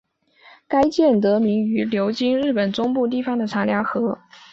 该舰得名于流经日本中部地方的长良河。